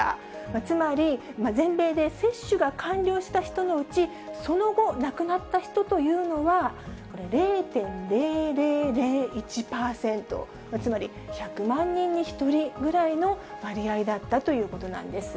つまり、全米で接種が完了した人のうち、その後亡くなった人というのは、これ、０．０００１％、つまり１００万人に１人ぐらいの割合だったということなんです。